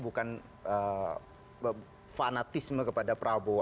bukan fanatisme kepada prabowo